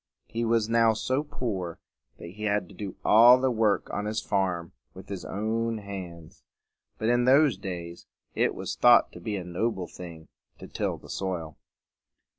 He was now so poor that he had to do all the work on his farm with his own hands. But in those days it was thought to be a noble thing to till the soil.